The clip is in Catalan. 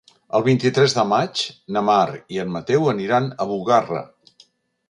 El vint-i-tres de maig na Mar i en Mateu aniran a Bugarra.